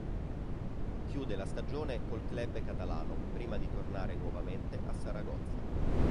Chiude la stagione col club catalano, prima di tornare nuovamente a Saragozza.